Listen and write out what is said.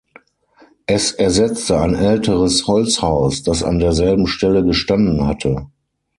Es ersetzte ein älteres Holzhaus, das an derselben Stelle gestanden hatte.